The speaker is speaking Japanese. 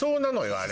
あれ。